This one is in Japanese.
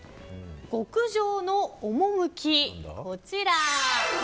極上の趣、こちら。